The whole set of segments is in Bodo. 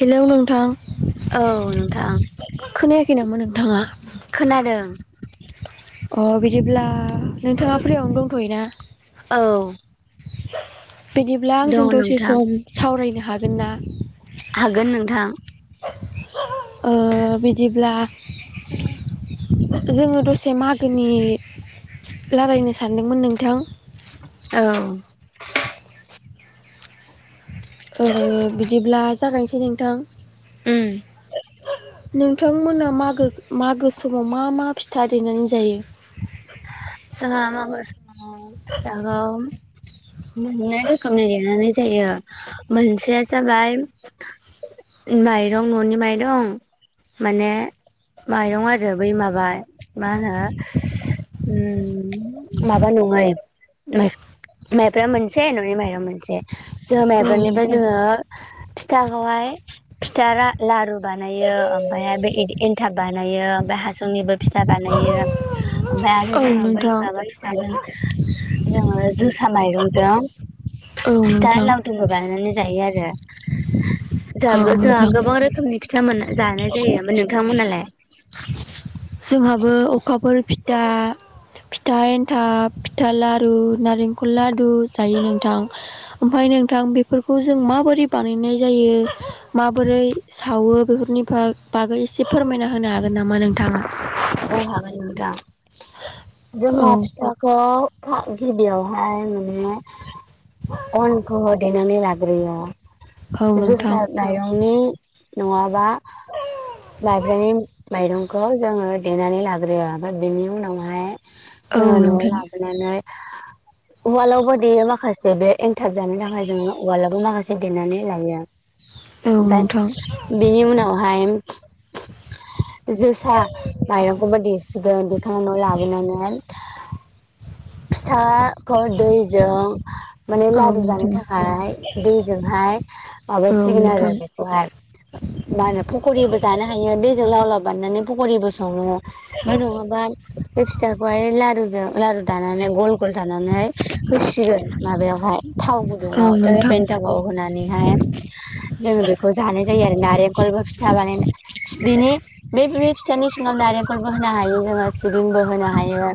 हेलौ नोंथां औ नोंथां। थाङा खोनादों। अ बिदिब्ला नोंथाङा फ्रियावनो दंथ'यो ना? औ बिदिब्ला आंजों दङ दसे नोंथां सम सावरायनो हागोन ना? हागोन नोंथां। ओ बिदिब्ला जोङो दसे मागोनि रालायनो सानदोंमोन नोंथां। औ ओ बिदिब्ला जागायनोसै नोंथां ओम नोंथांमोना मागो मागो समाव मा मा फिथा दनानै जायो? [inaudible] जोङा मागो समाव फिथाखौ मोननै रोखोमनि लिरनानै जायो मोनसेया जाबाय माइरं न'नि माइरं माने माइरं आरो बै माबा मा होनो उम माबा नङै माइफ्रा मोनसे न'नि माइब मोनसे जोङो माइब्रनिफ्राय जोङो फिथाखौहाय थारा लारु बानायो ओमफ्रायहाय बे एनथाब बानायो ओमफ्राय हासुंनिबो फिथा बानायो ओमफ्राय आरो औ नोंथां औ जोङो बै नोंथां माबा फिथाजों जोङो जोसा माइरंजों औ फिथा नोंथां लावदुमबो बानायनानै जायो औ आरो जोंहा नोंथां गोबां रोखोमनि फिथा मोन जानाय जायो ओफ्राय नोंथांमोनहालाय जोंहाबो अखाफोर फिथा फिथा एन्थाब फिथा लारु नारेंखल लदु जायो नोंथां ओमफ्राय नोंथां बेफोरखौ जों माबोरै बानायनाय जायो माबोरै सावो बेफोरनिफ्राय बागै एसे फोरमायना होनो हागोन नामा नोंथाङा औ हागोन नोंथां औ जोंहा फिथाखौ गिबियावहाय माने अनखौ देनानै लाग्रोयो औ नोंथां जोसा मरंनि नङाबा माइब्रानि माइरंखौ जोङो देनानै लाग्रोयो ओमफ्राय बेनि उनावहाय औ जोङो न'वाव नोंथां लाबोनानै उवालावबो देयो माखासे बे एन्थाब जानो थाखाय जोंङो उवलाबो माखासे देनानै लायो औ ओमफ्राय नोंथां बिनि उनावहाय जोसा माइरंखौबो देसिगोन देखायनानै न'वाव लाबोनानै फिथाखौ दैजों माने औ लारु जानो नोंथां थाखाय दैजोंहाय औ माबासिगोन आरो नोंथां बेखौ आरो मा होनो फकरिबो जानो हायो दैजों लाव लाव बाननानै फकरिबो सङो नङाबा बे फिथाखौहाय लारुजों लारु दानानै गल गल दानानै होसिगोन माबायावहाय थाव औ नोंथां औ गुदुङाव नोंथां रेपन्टावआव होनानैहाय जोङो बेखौ जानाय जायो आरो नारेंखलबो फिथा बानाय बेनि बे फिथानि सिङावें बो होनो हायो जोङो सिबिंबो होनो हायो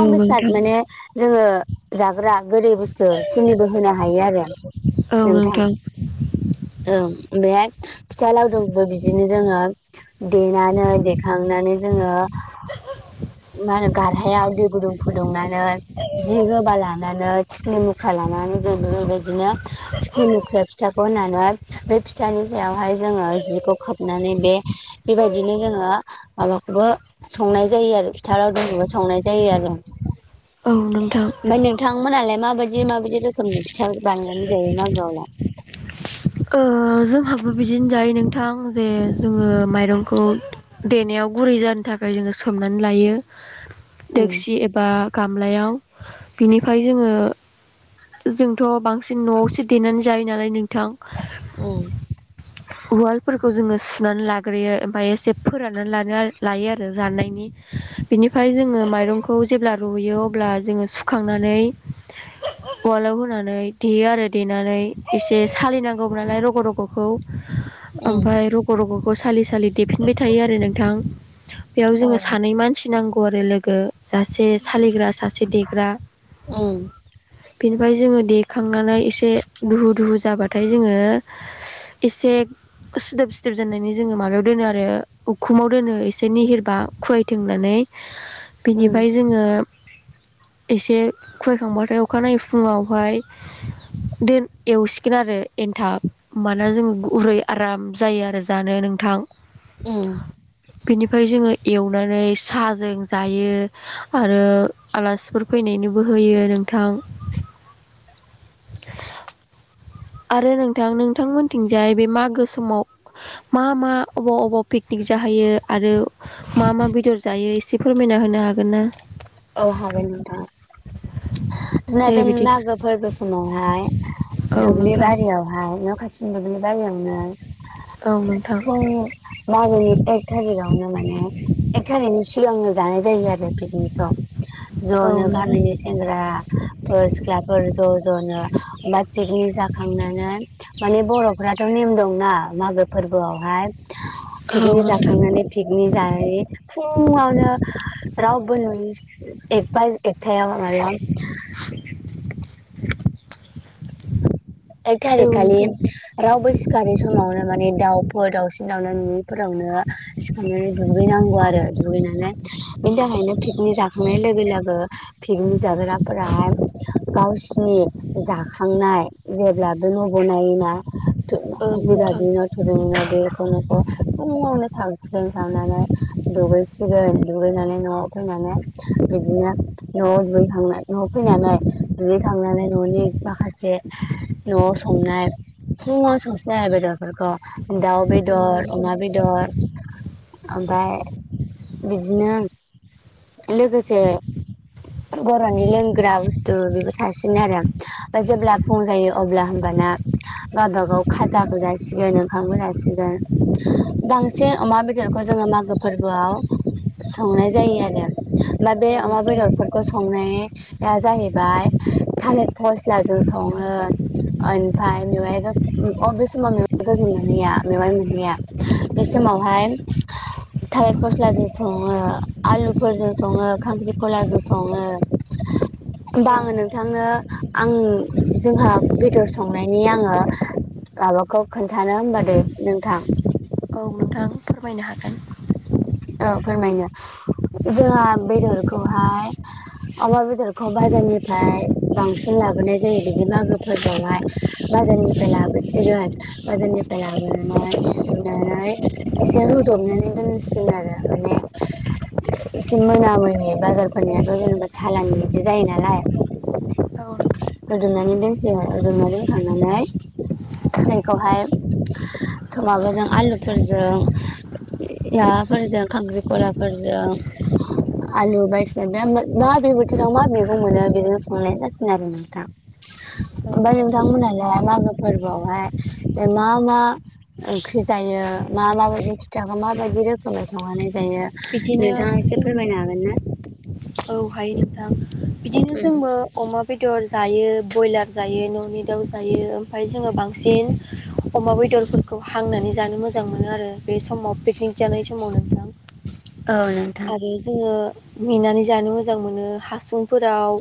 औ बेसाद नोंथां माने जोङो जाग्रा गोदै बुस्थु सिनिबो होनो हायो आरो नोंथां [inaudible] ओ बेओमहाय फिथा लावदोंबो बिदिनो जोङो देनानै देखांनानै जोङो माहोनो गारहथायाव दै गुदुं फुदुंनानै जि गोबा लानानै थिंख्लि मुख्रा लानानै जों बे बेबायदिनो थिख्लि मुख्रि फिथाखौ होननानै बे फिथानि हाय जोङो जिखौ खोबनानै बे बेबायदिनो जोङो माबाखौ स संनाय जायो आरो फिथाराव लावदुमखौबो संनाय जायो आरो औ नों ओमफफ्राय नोंथांमोनहालाय माबायदि माबायदि रोखोमनि फिथा बानायनानै जायो मागोआवला जोंहाबो बिदिनो जायो नोंथां जे जोङो माइरंखौ देनायाव गुरै जानो थाखाय जोङो सोमनानै लायो उम दोक्सि एबा गामलायाव बिनिफ्राय जोङो जोंथ बांसिन न'आवसो देनानै जायो नालाय नोंथां उम उवाल जोङो सुनानै लाग्रोयो ओमफ्राय एसे फोराननानै लायो आरो जानायनि बेनिफ्राय जोङो माइरंखौ जेब्ला रुयो अब्ला जोङो सुखांनानै उवालाव होनानै देयो आरो देनानै एसे सालिनांगौ गौालाय रग रगखौ उम ओमफ्राय रग रग खौ सालि सालि देफिनबाय थायो आरो नोंथां बेयाव औ जोङो सानै मानसि नांगौ आरो लोगो सासे सालिग्रा सासे देग्रा उम बेनिफ्राय जोङो दे देखांनानै एसे दुहु दुहु जाबाथाय फ्राय जोङो एसे सिदोब सिदोब जानायनि जोङो माबायाव दोनो आरो उखुब माव दोनो एसे निहिरबा खुवायथों होननानै उम बिनिफ्राय जोङो एसे खुहायखांबाथाय अखानायै फुङावहाय दोन एवसिगोन आरो एनथाब माना जोङो गुरै आराम जायो आरो जानो नोंथां उम बिनिफ्राय जोङो एवनानै साहाजों जायो आरो आलासिफोर फैनायनोबो होयो नों थां आरो नोंथां नोंथांमोनथिंजाय बे मागो समाव मा मा अबाव अबाव पिकनिक जाहैयो आरो मा मा बेदर जायो एसे फोरमायना होनो हागोन ना औ हागोन नोंथां [inaudible] दे नैबेन बिदि मागो फोरबो समावहाय औ दुब्लि नोंथां बारियावहाय न' खाथि दुब्लि बारियावनो औ नोंथां फुं मागोनि एक थारिखावनो माने एख थारिगनि सिगांनो जानाय जायो आरो पिकनिकखौ औ ज'नो नोंथां गामिनि सेंग्रा फोर सिख्लाफोर ज' ज'नो ओमफ्राय पिक नि जाखांनानै माने बर'फ्राथ' नेम दंना मागो फोरबोआवहाय औ पिकनिक नोंथां जाखांनानै पिकनिक जायै फुं आवनो रावबो नुयि एक बाय एक थायाव [unintelligible] एक औ थारिख खालि नोंथां रावबो सिखारि समावनो माने दाउ फोर दाउसिन दाउना नुनिफोरावनो सिखांनानै दुगैनांगौ आरो दुगैनानै बिनि था खायनो पिकनिक जाखांनाय लोगो लोगो पिकनिक जाग्राफोराहाय गावसिनि जाखांनाय जेब्लाबो न' बनायोना थो जिगाबनि न' थुरिनि बेखौ खौ फुङावनो सावसिगोन सावनानै दुगैसिगोन दुगैनानै न'आव फैनानै बिदिनो न'आव दुगैखांनानै न'आव फैनानै दुगैखांनानै न'नि माखासे नवाव संनाय फुंआव संसिगोन आरो बेदरफोरखौ दाउ बेदर अमा बेदर ओमफ्राय बिदिनो लोगोसे बर'नि लोंग्रा बुस्थु बेबो थासिगोन आरो ओमफ्राय जेब्ला फुं जायो अब्ला होमबाना गावबागाव खाजाबो जासिगोन ओंखामबो जासिगोन बांसिन अमा बेदरखौ जो जोंङो मागो फोरबोआव संनाय जायो आरो ओमफाय बे अमा बेदरफोरखौ स संनाय या जाहैबाय थालिर फस्लाजों सङो ओमफ्राय मेवाइ गै अ बे समाव मेवाइ गोखै मोनहैया मेवाइ मोनहैया बे समाव मावहाय थायेर फस्लाजों सङो आलुफोरजों सङो खांख्रिखलाजों सङो [inaudible] होमबा आङो नोंथांनो आं जोंहा बेदर संनायनि आङो माबाखौ खोन्थानो होनबा दै नोंथां औ नोंथां फोरमायनो हाग औ फोरमायनो जोंहा बेदरखौहाय अमा बेदरखौ बाजारनिफ्राय बांसिन लाबोनाय जायो बिदि मागोफोरावहाय बाजारनिफ्राय लाबोसिगोन बाजारनिफ्राय लाबोनानै सुस्रनानै एसे रुदबनानै दोनसिन आरो माने एसे मोना मोनोनि बाजारफोरनियाथ' जेनेबा सालानि बिदि जायो नालाय औ रजनानानै दोंसिगोन रजनानै दोनखांनानै दैखौहाय साबोजों आलुफोरजों माबाफोरजों खांख्रिखलाफोरजों आलु बायसिनाफोरजों मा बे बोथोराव मा मैगं मोनो बेजों संनाय जासिगोन आरो नोंथा ओमफफ्राय नोंथांमोनहालाय मागो फोरबोआवहाय मा मा ओंख्रि जायो मा माबायदि खथखौ माबायदि रोखोमै संहानाय जायो बिदिनो नोंथाङा एसे फोरमायनो हागोन ना औहाय नोंथां बिदिनो जोंबो अमा बेदर बेदर जायो ब्रयलार जायो न'नि दाउ जायो ओमफ्राय जोङो बांसिन अमा बेदरफोरखौ हांनानै जानो मोजां मोनो आरो बे समाव पिकनिक जानाय समावनो औ नोंथां आरो जोङो नेनानै जानो मोजां मोनो हासुंफोराव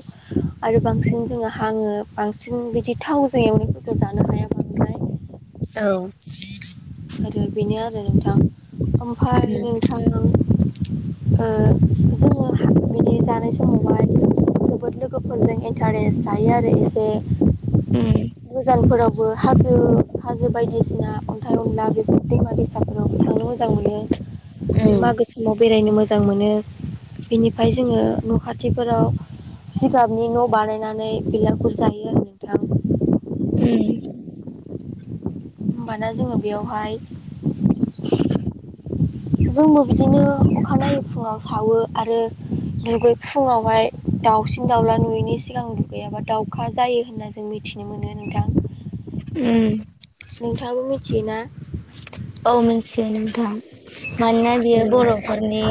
आरो बांसिन जोङो हाङो बांसिन बिदि थावजों एवनायफोरखौ जानो हायाबा औ आरो बेनो आरो नोंथां ओमफफ्राय नोंथां जोङो बिदि जानाय समावहाय जोबोद लोगोफोरजों इन्टारेस्ट थायो आरो एसे गोजानफोरावबो हाजो हाजो बायदिसिना अन्थाइ अनला बे दैमा दैसाफोरावबो थांनो मोजां मोनो बे मागो समाव बेरायनो मोजां मोनो बिनिफ्राय जोङो न' खाथिफोराव जिगाबनि न' बानायनानै बेैलाफोर जायो आरो नोंथां उ होमबाना जोङो बेयावहाय जोंबो बिदिनो अखानायै फुङाव सावो आरो दुगै फुङावहाय दाउसिन दाउला नुयैनि सिगां दुगैयाबा दाउखा जायो होनना जों मिथिनो मोनो नोंथां नोंथाङाबो मिथियोना? औ मिथियो नोंथां मानोना बियो औ बर'फोरनि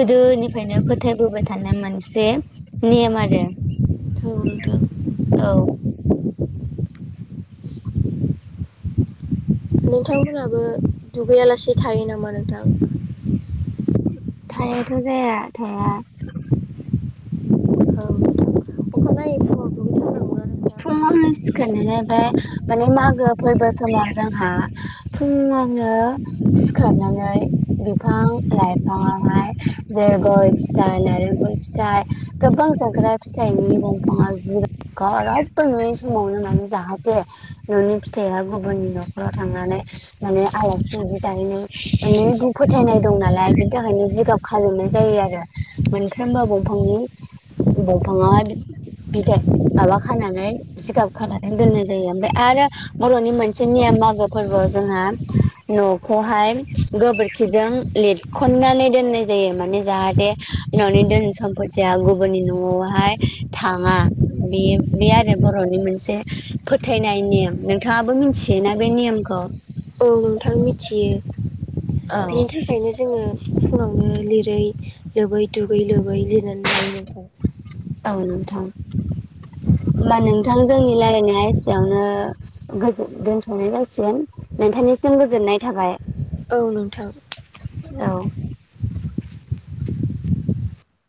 गोदोनिफ्रायनो फोथायबोबाय थानाय मोनसे नेम आरो औ नोंथां औ नोंथांमोनहाबो दुगैयालासे थायो नामा नोंथां? थायाथ' जाया थाया औ नोंथां अखानायै फुङाव दुगैथारनांगौना नोंथां? फुङावनि सिखोनानो बे माने मागो फोरबो समाव जोंहा फुं नो सिखारनानै बिफां लाइफाङावहाय जो गय फिथाइ नारेंखल फिथाइ गोबां जाग्रा फिथाइनि दंफाङा जिव जेबो नुयि समावनो माने जाहाथे न'नि फिथाइआ गुबुननि न'खराव थांनानै माने आलासि जानो अनेख फोथायनाय दं नालाय बिनि थाखायनो जिगाब खालामोबनाय जायो आरो मोनफ्रोमबो दंफांनि दफाङाआ बिद माबा खानानै जिगाब खानानै दोननाय जायो ओमफ्राय आरो बर'नि मोनसे निम मागो फोरबोआव जोंहा न'खौहाय गोबोरखिजों लिरखननानै दोननाय जायो माने जों जाहाथे न'नि धोन सम्फतिया गुबुननि न'आवहाय थाङा बे बे आरो बर'नि मोनसे फोथायनाय नेयम नोंथाङाबो मिथियोना बे नेयमखौ औ नोंथां मिथियो औ बिनि थाखायनो जोङो फुंआव लिरै लोबै दुगै लोबै लिरनानै लायो नोंखौ औ नोंथां [inaudible] होमबा नोंथां जोंनि रायल्लायनाया एसेयावनो दोनथ'नाय जासिगोन नोंथांनि जों गोजोननाय थाबाय औ नोंथां औ